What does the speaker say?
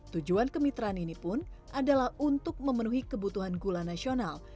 tujuan kemitraan ini pun adalah untuk memenuhi kebutuhan gula nasional